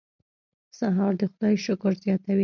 سهار د خدای شکر زیاتوي.